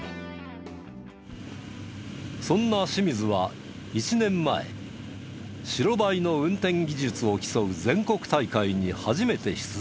そんな清水は１年前白バイの運転技術を競う全国大会に初めて出場した。